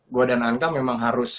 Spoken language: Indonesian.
gue dan anka memang harus